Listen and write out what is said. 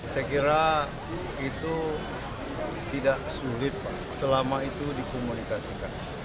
saya kira itu tidak sulit pak selama itu dikomunikasikan